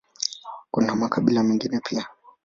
Kuna makabila mengine pia.